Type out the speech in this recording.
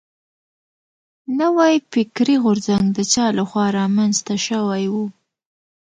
نوی فکري غورځنګ د چا له خوا را منځ ته شوی و.